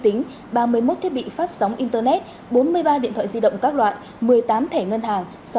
tính ba mươi một thiết bị phát sóng internet bốn mươi ba điện thoại di động các loại một mươi tám thẻ ngân hàng